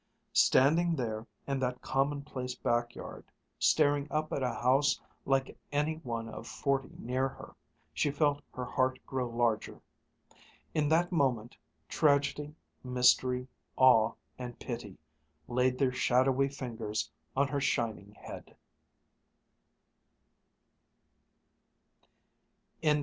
Standing there in that commonplace backyard, staring up at a house like any one of forty near her, she felt her heart grow larger. In that moment, tragedy, mystery, awe, and pity laid their shadowy fingers on her shining head.